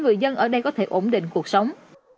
người dân ở đây có thể ổn định cuộc sống